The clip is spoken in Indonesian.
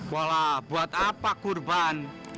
walah buat apa kurban